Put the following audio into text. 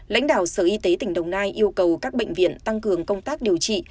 lãnh đạo sở y tế tỉnh đồng nai yêu cầu các bệnh viện tăng cường công tác điều trị